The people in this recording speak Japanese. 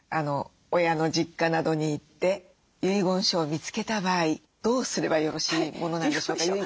親の実家などに行って遺言書を見つけた場合どうすればよろしいものなんでしょうか。